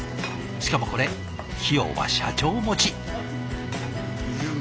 しかもこれ費用は社長持ち。